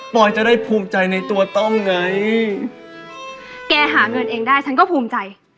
ปอยจะได้ภูมิใจในตัวต้องไง